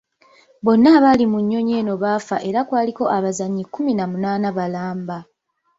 Bonna abaali ku nnyonyi eno baafa era kwaliko abazannyi kumi na munaana balamba.